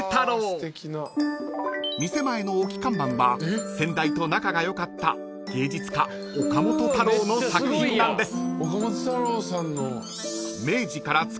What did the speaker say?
［店前の置き看板は先代と仲が良かった芸術家岡本太郎の作品なんです］